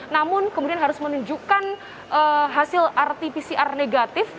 namun kemudian harus menunjukkan hasil rt pcr negatif